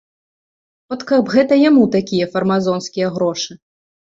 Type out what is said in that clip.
От каб гэта яму такія фармазонскія грошы!